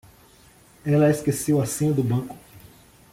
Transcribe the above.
Ela esqueceu a senha do banco.